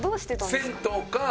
銭湯か。